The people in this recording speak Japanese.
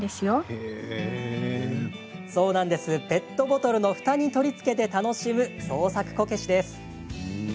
ペットボトルのふたに取り付けて楽しむ創作こけしです。